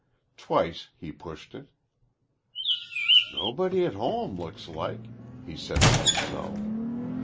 Twice he pushed it. "Nobody at home, looks like," he said to himself.